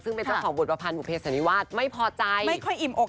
ซึ่งเป็นเจ้าของบทประพันธ์บุเภสันนิวาสไม่พอใจไม่ค่อยอิ่มอก